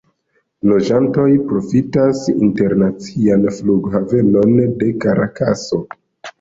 La loĝantoj profitas internacian flughavenon de Karakaso.